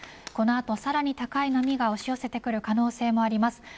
この後、さらに高い波が押し寄せてくる可能性もあります。